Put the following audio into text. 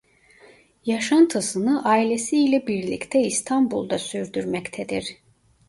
Yaşantısını ailesi ile birlikte İstanbul'da sürdürmektedir.